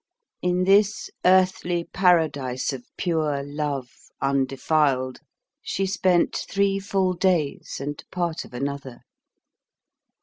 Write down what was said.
In this earthly paradise of pure love, undefiled, she spent three full days and part of another.